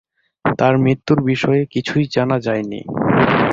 তার মৃত্যুর বিষয়ে কিছুই জানা যায়নি।